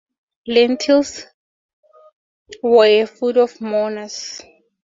Lentils were a food of mourners.